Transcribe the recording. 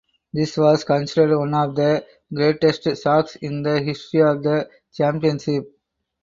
This was considered one of the greatest shocks in the history of the championship.